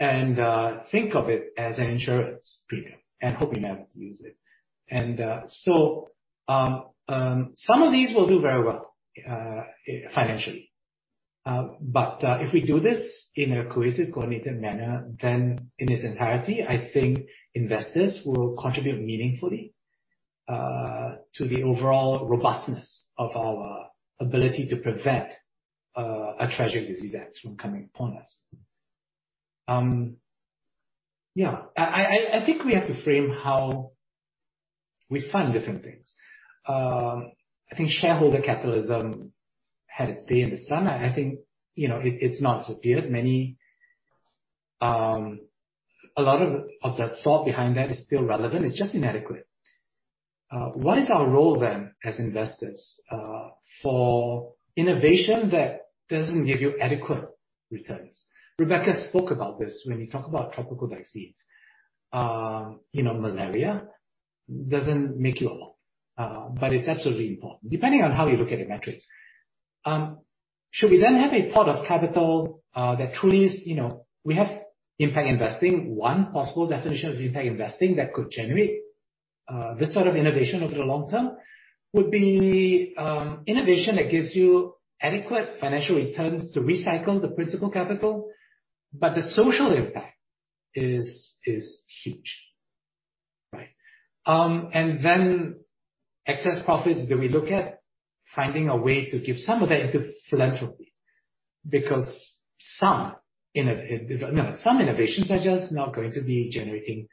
and think of it as an insurance premium and hoping never to use it. Some of these will do very well financially. If we do this in a cohesive, coordinated manner, then in its entirety, I think investors will contribute meaningfully to the overall robustness of our ability to prevent a tragic Disease X from coming upon us. I think we have to frame how we fund different things. I think shareholder capitalism had its day in the sun. I think, you know, it's not disappeared. Many, a lot of the thought behind that is still relevant. It's just inadequate. What is our role then, as investors, for innovation that doesn't give you adequate returns? Rebecca spoke about this when you talk about tropical vaccines. You know, malaria doesn't make you a lot, but it's absolutely important, depending on how you look at your metrics. Should we then have a pot of capital, that truly is, you know, we have impact investing. One possible definition of impact investing that could generate, this sort of innovation over the long-term would be, innovation that gives you adequate financial returns to recycle the principal capital, but the social impact is huge, right? Excess profits that we look at finding a way to give some of that into philanthropy because some innovations are just not going to be generating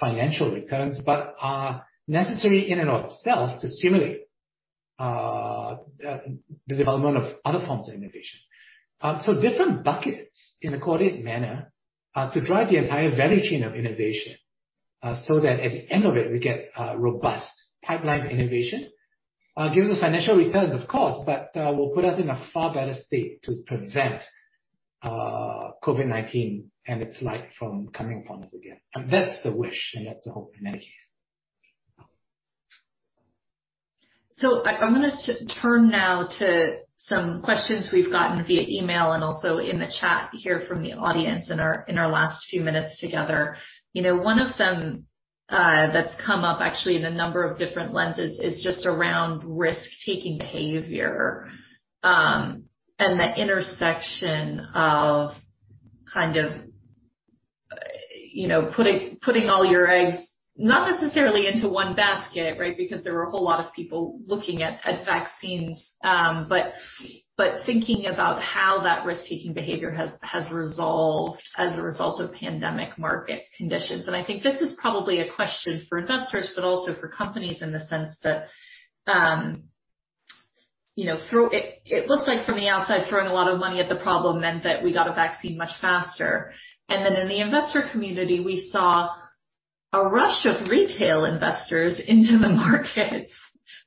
financial returns, but are necessary in and of itself to stimulate the development of other forms of innovation. Different buckets in a coordinated manner to drive the entire value chain of innovation so that at the end of it, we get a robust pipeline of innovation, gives us financial returns, of course, but will put us in a far better state to prevent COVID-19 and its like from coming upon us again. That's the wish, and that's the hope in any case. I'm gonna turn now to some questions we've gotten via email and also in the chat here from the audience in our last few minutes together. You know, one of them that's come up actually in a number of different lenses is just around risk-taking behavior and the intersection of kind of, you know, putting all your eggs not necessarily into one basket, right? Because there were a whole lot of people looking at vaccines, but thinking about how that risk-taking behavior has resolved as a result of pandemic market conditions. I think this is probably a question for investors, but also for companies in the sense that, you know, through it looks like from the outside, throwing a lot of money at the problem meant that we got a vaccine much faster. Then in the investor community, we saw a rush of retail investors into the markets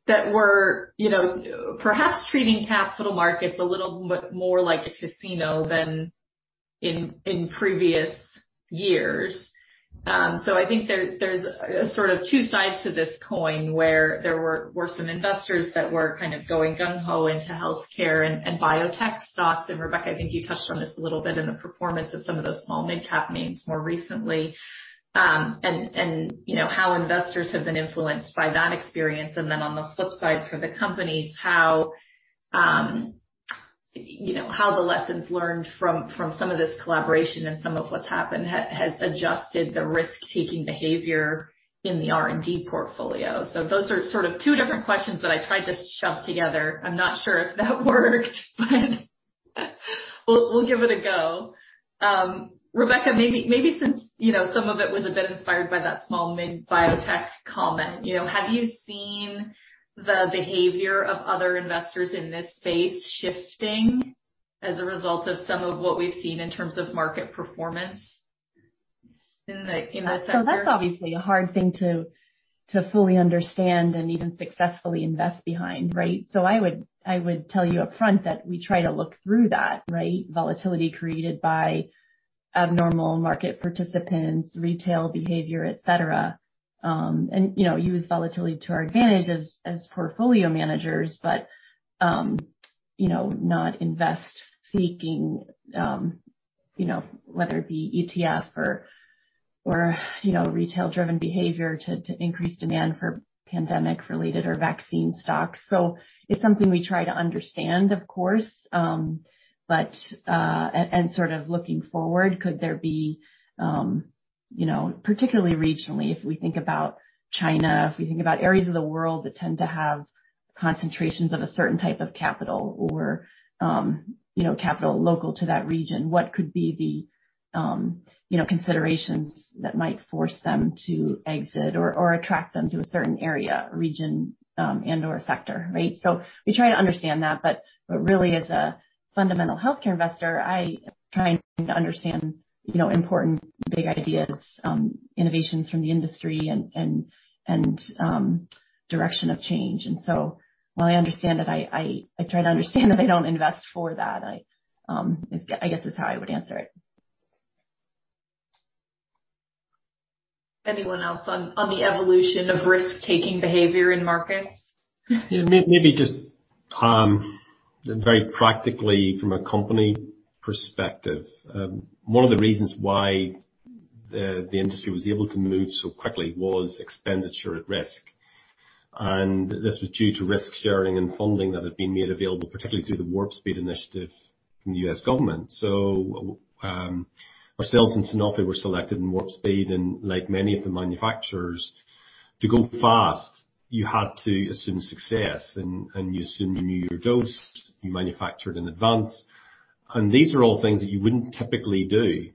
that were, you know, perhaps treating capital markets a little more like a casino than in previous years. I think there's sort of two sides to this coin where there were some investors that were kind of going gung ho into healthcare and biotech stocks. Rebecca, I think you touched on this a little bit in the performance of some of those small mid-cap names more recently, you know, how investors have been influenced by that experience. On the flip side for the companies, you know, how the lessons learned from some of this collaboration and some of what's happened has adjusted the risk-taking behavior in the R&D portfolio. Those are sort of two different questions that I tried to shove together. I'm not sure if that worked, but we'll give it a go. Rebecca, maybe since, you know, some of it was a bit inspired by that small mid biotech comment. You know, have you seen the behavior of other investors in this space shifting as a result of some of what we've seen in terms of market performance in the sector? That's obviously a hard thing to fully understand and even successfully invest behind, right? I would tell you up front that we try to look through that volatility created by abnormal market participants, retail behavior, et cetera, and you know, use volatility to our advantage as portfolio managers, you know, not invest seeking whether it be ETF or you know, retail-driven behavior to increase demand for pandemic-related or vaccine stocks. It's something we try to understand, of course. Sort of looking forward, could there be, you know, particularly regionally, if we think about China, if we think about areas of the world that tend to have concentrations of a certain type of capital or, you know, capital local to that region, what could be the, you know, considerations that might force them to exit or attract them to a certain area, region, and/or sector, right? We try to understand that, really as a fundamental healthcare investor, I try and understand, you know, important big ideas, innovations from the industry and direction of change. While I understand it, I try to understand that I don't invest for that. I guess is how I would answer it. Anyone else on the evolution of risk-taking behavior in markets? Yeah, maybe just very practically from a company perspective. One of the reasons why the industry was able to move so quickly was expenditure at risk. This was due to risk sharing and funding that had been made available, particularly through the Warp Speed initiative from the U.S. government. Ourselves and Sanofi were selected in Warp Speed, and like many of the manufacturers, to go fast, you had to assume success, and you assumed you knew your dose, you manufactured in advance. These are all things that you wouldn't typically do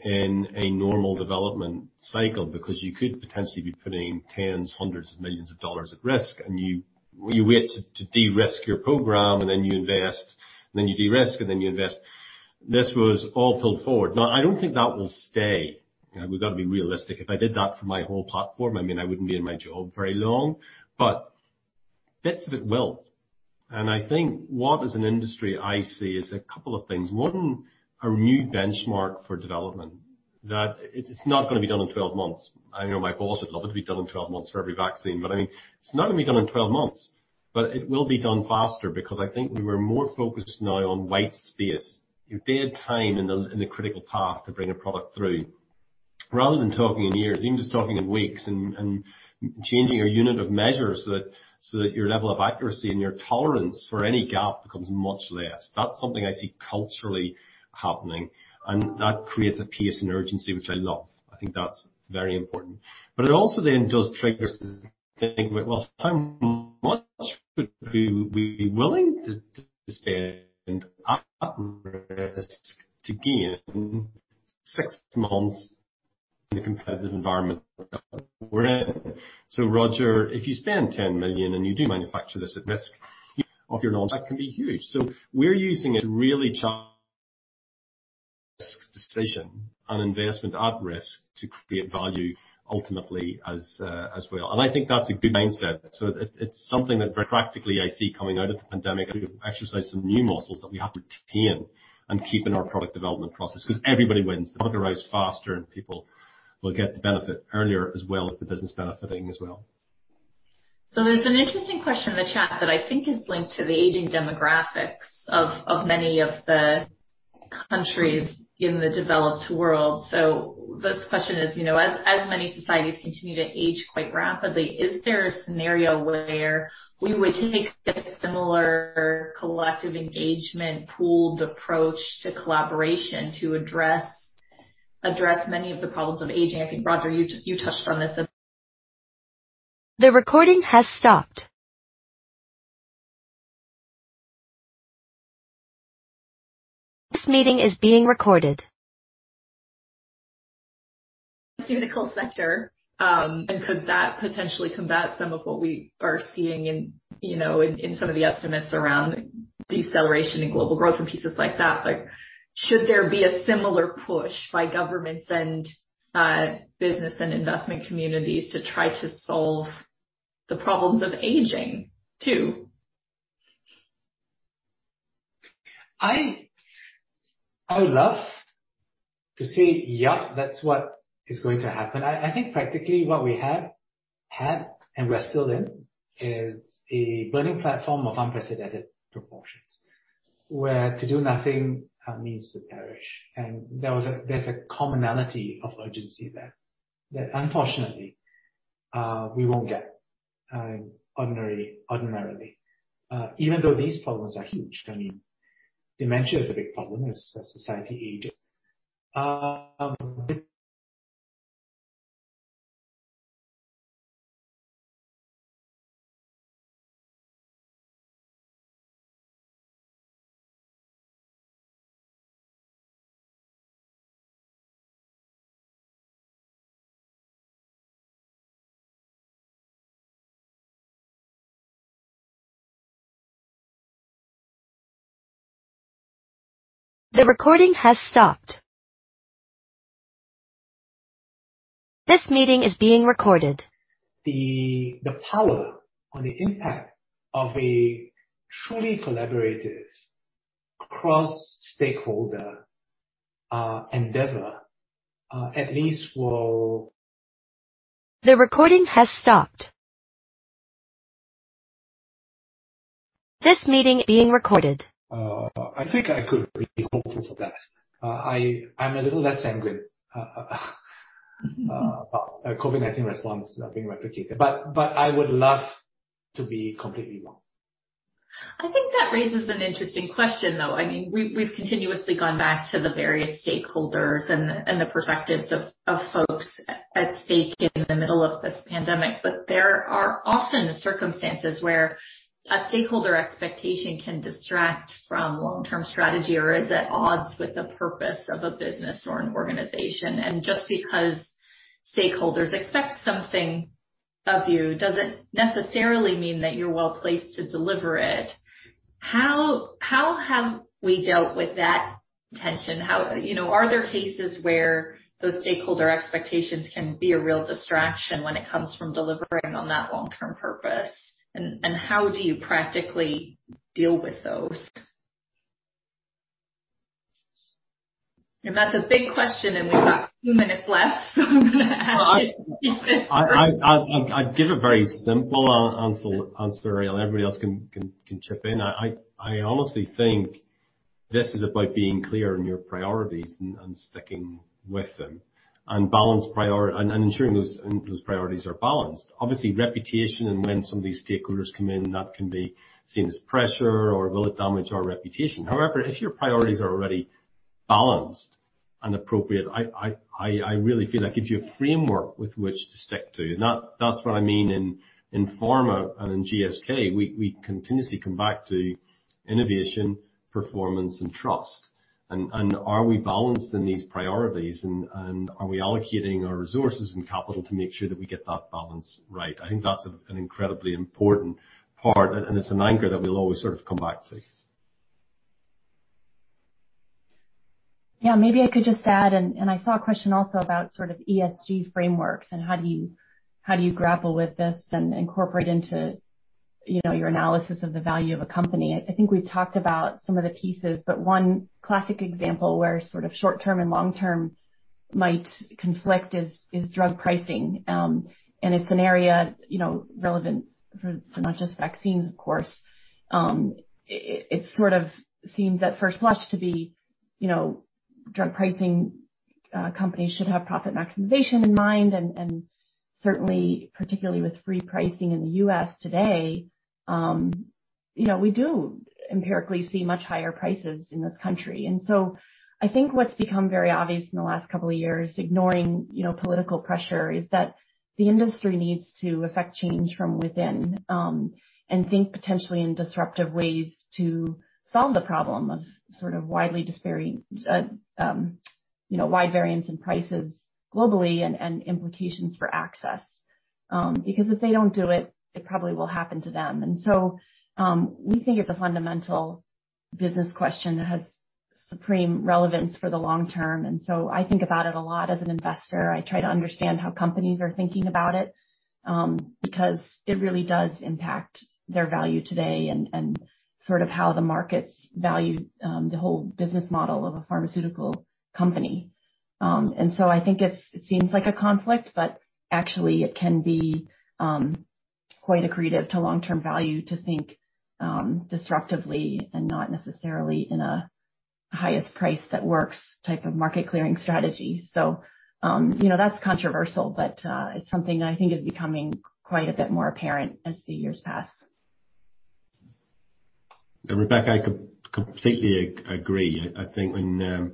in a normal development cycle because you could potentially be putting tens, hundreds of millions of dollars at risk, and you wait to de-risk your program, and then you invest, and then you de-risk, and then you invest. This was all pulled forward. I don't think that will stay. We've got to be realistic. If I did that for my whole platform, I mean, I wouldn't be in my job very long. Bits of it will. I think what as an industry I see is a couple of things. One, a new benchmark for development that it's not gonna be done in 12 months. I know my boss would love it to be done in 12 months for every vaccine, but I mean, it's not gonna be done in 12 months, but it will be done faster because I think we were more focused now on white space, your dead time in the, in the critical path to bring a product through. Rather than talking in years, even just talking in weeks and changing your unit of measure so that your level of accuracy and your tolerance for any gap becomes much less. That's something I see culturally happening, and that creates a pace and urgency, which I love. I think that's very important. It also then does trigger to think about, well, how much would we be willing to spend at risk to gain six months in a competitive environment we're in? Roger, if you spend 10 million and you do manufacture this at risk of your knowledge, that can be huge. We're using a really tough decision on investment at risk to create value ultimately as well. I think that's a good mindset. It's something that, practically, I see coming out of the pandemic, exercise some new muscles that we have to retain and keep in our product development process 'cause everybody wins. The product arrives faster, and people will get the benefit earlier, as well as the business benefiting as well. There's an interesting question in the chat that I think is linked to the aging demographics of many of the countries in the developed world. This question is, you know, as many societies continue to age quite rapidly, is there a scenario where we would take a similar collective engagement pooled approach to collaboration to address many of the problems of aging? I think, Roger, you touched on this in the pharmaceutical sector, and could that potentially combat some of what we are seeing in, you know, in some of the estimates around deceleration in global growth and pieces like that? Like, should there be a similar push by governments and business and investment communities to try to solve the problems of aging too? I would love to say yeah, that's what is going to happen. I think practically what we have had, and we're still in, is a burning platform of unprecedented proportions, where to do nothing means to perish. There's a commonality of urgency there that unfortunately, we won't get ordinarily, even though these problems are huge. I mean, dementia is a big problem as society ages. The recording has stopped. This meeting is being recorded. The power or the impact of a truly collaborative cross-stakeholder endeavor, at least will. The recording has stopped. This meeting being recorded. I think I could be hopeful for that. I'm a little less sanguine about a COVID-19 response being replicated, but I would love to be completely wrong. I think that raises an interesting question, though. I mean, we've continuously gone back to the various stakeholders and the perspectives of folks at stake in the middle of this pandemic. There are often circumstances where a stakeholder expectation can distract from long-term strategy or is at odds with the purpose of a business or an organization. Just because stakeholders expect something of you doesn't necessarily mean that you're well-placed to deliver it. How have we dealt with that tension? You know, are there cases where those stakeholder expectations can be a real distraction when it comes from delivering on that long-term purpose? How do you practically deal with those? That's a big question, and we've got two minutes left, so I'm gonna ask it. I'd give a very simple answer, and everybody else can chip in. I honestly think this is about being clear on your priorities and sticking with them, and ensuring those priorities are balanced. Obviously, reputation and when some of these stakeholders come in, that can be seen as pressure or will it damage our reputation. However, if your priorities are already balanced and appropriate, I really feel that gives you a framework with which to stick to. That's what I mean in pharma and in GSK, we continuously come back to innovation, performance and trust. Are we balanced in these priorities? Are we allocating our resources and capital to make sure that we get that balance right? I think that's an incredibly important part, and it's an anchor that we'll always sort of come back to. Yeah. Maybe I could just add and I saw a question also about sort of ESG frameworks and how do you grapple with this and incorporate into, you know, your analysis of the value of a company. I think we've talked about some of the pieces, but one classic example where sort of short-term and long-term might conflict is drug pricing. It's an area, you know, relevant for not just vaccines, of course. It sort of seems at first blush to be, you know, drug pricing companies should have profit maximization in mind. Certainly, particularly with free pricing in the U.S. today, you know, we do empirically see much higher prices in this country. I think what's become very obvious in the last couple of years, ignoring, you know, political pressure, is that the industry needs to affect change from within and think potentially in disruptive ways to solve the problem of wide variance in prices globally and implications for access. Because if they don't do it probably will happen to them. We think it's a fundamental business question that has supreme relevance for the long-term. I think about it a lot as an investor. I try to understand how companies are thinking about it because it really does impact their value today and sort of how the markets value the whole business model of a pharmaceutical company. I think it seems like a conflict, but actually it can be quite accretive to long-term value to think disruptively and not necessarily in a highest price that works type of market clearing strategy. You know, that's controversial, but it's something that I think is becoming quite a bit more apparent as the years pass. Rebecca, I completely agree. I think when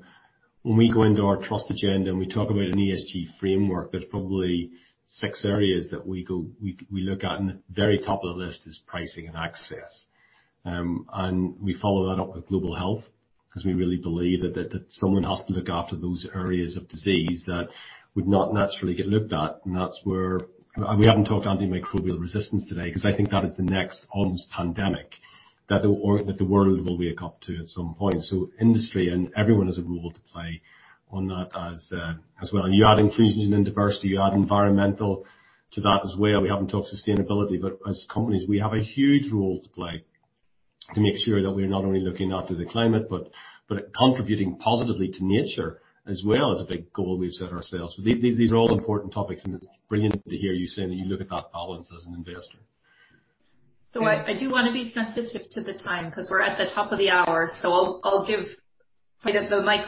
we go into our trust agenda and we talk about an ESG framework, there's probably six areas that we look at, and the very top of the list is pricing and access. We follow that up with global health, because we really believe that someone has to look after those areas of disease that would not naturally get looked at. That's where we haven't talked antimicrobial resistance today, because I think that is the next almost pandemic that the world will wake up to at some point. Industry and everyone has a role to play on that as well. You add inclusion and diversity, you add environmental to that as well. We haven't talked sustainability. As companies, we have a huge role to play to make sure that we're not only looking after the climate, but contributing positively to nature as well as a big goal we've set ourselves. These are all important topics, and it's brilliant to hear you say that you look at that balance as an investor. I do want to be sensitive to the time, because we're at the top of the hour. I'll give Fida the mic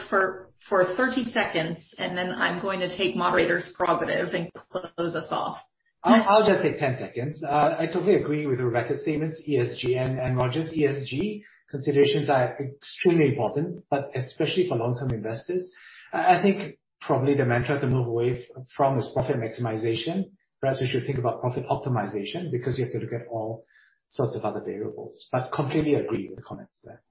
for 30 seconds, and then I'm going to take moderator's prerogative and close us off. I'll just take 10 seconds. I totally agree with Rebecca's statements. ESG and Roger's ESG considerations are extremely important, but especially for long-term investors. I think probably the mantra to move away from is profit maximization. Perhaps we should think about profit optimization because you have to look at all sorts of other variables. Completely agree with the comments there.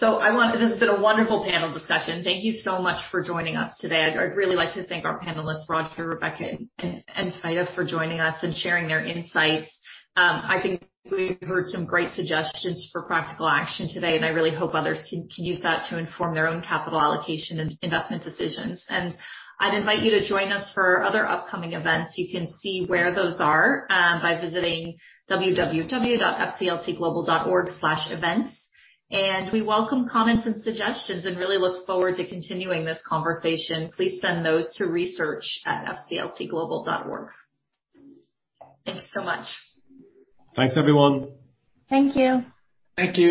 This has been a wonderful panel discussion. Thank you so much for joining us today. I'd really like to thank our panelists, Roger, Rebecca, and Fidah for joining us and sharing their insights. I think we've heard some great suggestions for practical action today, and I really hope others can use that to inform their own capital allocation and investment decisions. I'd invite you to join us for other upcoming events. You can see where those are by visiting www.fcltglobal.org/events. We welcome comments and suggestions and really look forward to continuing this conversation. Please send those to research@fcltglobal.org. Thank you so much. Thanks, everyone. Thank you. Thank you.